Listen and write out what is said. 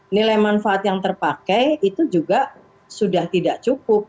nilai manfaat yang terpakai itu juga sudah tidak cukup